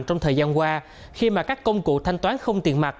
trong thời gian qua khi mà các công cụ thanh toán không tiền mặt